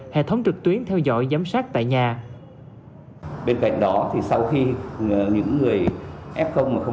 hệ thống trực tuyến theo dõi giám sát tại nhà